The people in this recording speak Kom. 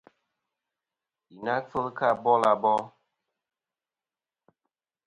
Yì na kfel kɨ abil abol.